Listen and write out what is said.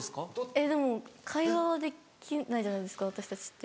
えっでも会話はできないじゃないですか私たちって。